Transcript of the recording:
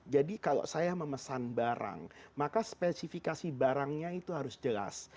jadi kalau saya memesan barang maka spesifikasi barangnya itu harus jelas